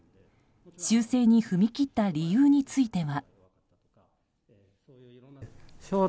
修正に踏み切った理由については。